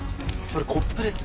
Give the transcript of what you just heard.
それコップです。